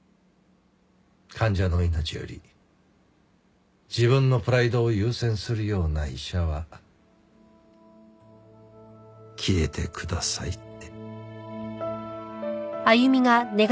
患者の命より自分のプライドを優先するような医者は消えてくださいって。